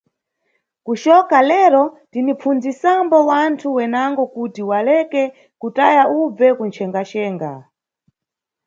Kucoka lero tinipfunzisambo wanthu wenango kuti waleke kutaya ubve kunchengaxenga.